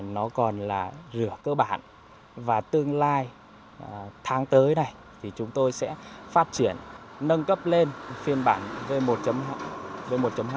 nó còn là rửa cơ bản và tương lai tháng tới này chúng tôi sẽ phát triển nâng cấp lên phiên bản v một hai